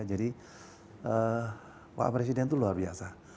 jadi pak presiden itu luar biasa